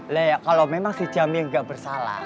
lea kalau memang si jamil gak bersalah